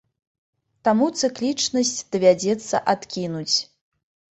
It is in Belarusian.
Таму цыклічнасць давядзецца адкінуць.